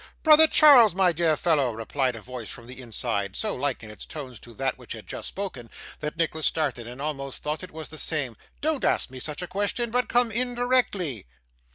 'Brother Charles, my dear fellow,' replied a voice from the inside, so like in its tones to that which had just spoken, that Nicholas started, and almost thought it was the same, 'don't ask me such a question, but come in directly.